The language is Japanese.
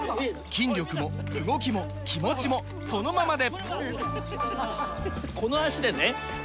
筋力も動きも気持ちもこのままで！